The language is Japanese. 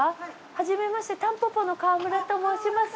はじめましてたんぽぽの川村と申します。